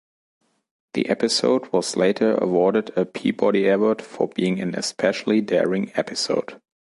The episode was later awarded a Peabody Award for being "an especially daring episode".